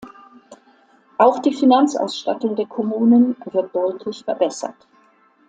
Auch die Finanzausstattung der Kommunen wird deutlich verbessert.